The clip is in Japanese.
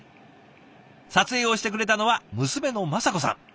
撮影をしてくれたのは娘の正子さん。